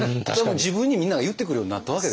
自分にみんなが言ってくるようになったわけでしょ。